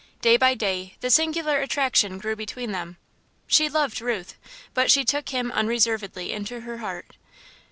Day by day, the singular attraction grew between them. She loved Ruth, but she took him unreservedly into her heart.